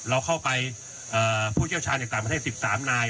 เราเข้าไปเอ่อผู้เชี่ยวชาญอย่างต่างประเทศสิบสามนาย